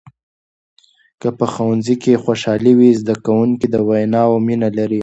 که په ښوونځي کې خوشحالي وي، زده کوونکي د ویناوو مینه لري.